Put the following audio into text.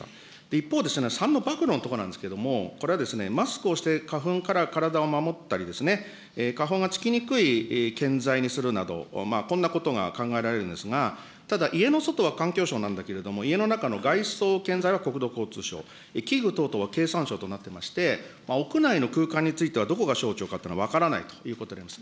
一方、３のばくろのところなんですけれども、これはマスクをして花粉から体を守ったりですね、花粉が付きにくい建材にするなど、こんなことが考えられるんですが、ただ、家の外は環境省なんだけれども、家の中の外装建材は国土交通省、器具等々は経産省となっておりまして、屋内の空間についてはどこが省庁かというのが分からないということでございます。